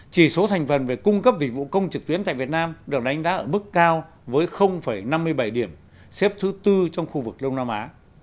chỉ số thành phần về cung cấp dịch vụ công trực tuyến tại việt nam đều đánh giá ở mức cao với năm mươi bảy điểm xếp thứ tư trong khu vực đông nam á